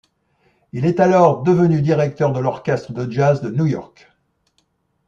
Il est alors devenu directeur de l'Orchestre de jazz de New York.